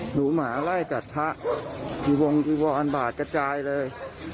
หนูหมาไล่กัดพระจีวงจีวรบาทกระจายเลย